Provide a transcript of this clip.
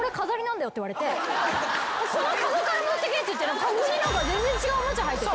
って言われて「このカゴから持ってけ」って言ってカゴに何か全然違うおもちゃ入ってて。